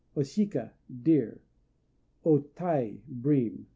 O Shika "Deer." O Tai "Bream."